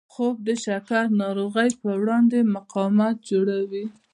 خوب د شکر ناروغۍ پر وړاندې مقاومت جوړوي